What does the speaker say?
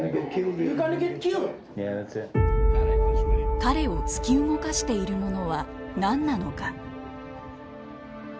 彼を突き動かしているものは何なのか。